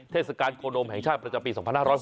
เทศกาลโคนมแห่งชาติประจำปี๒๕๖๒